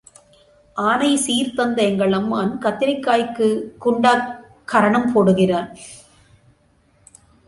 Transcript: ஆனை சீர் தந்த எங்கள் அம்மான் கத்திரிக்காய்க்குக் குண்டா கரணம் போடுகிறான்.